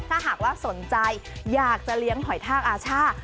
ถ้าหากว่าสนใจอยากจะเลี้ยงหอยทากอาช่า